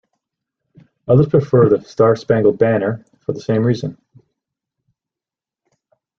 Others prefer "The Star-Spangled Banner" for the same reason.